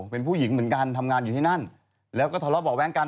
เป็นผู้หญิงเหมือนกันทำงานอยู่ที่นั่นแล้วก็ทะเลาะเบาะแว้งกัน